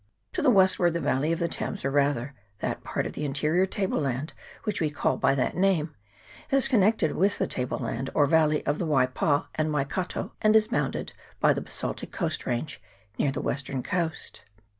To the westward the valley of the Thames, or rather that part of the interior table land which we call by that name, is connected with the table land or valley of the Waipa and Waikato, and is bounded by the basaltic coast range near the western coast.